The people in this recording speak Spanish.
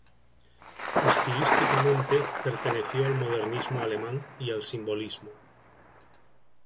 Estilísticamente perteneció al modernismo alemán y al simbolismo.